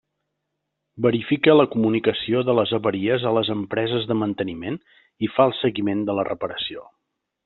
Verifica la comunicació de les avaries a les empreses de manteniment i fa el seguiment de la reparació.